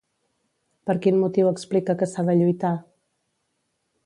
Per quin motiu explica que s'ha de lluitar?